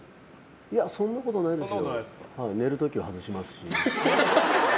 いや、そんなことないですよ。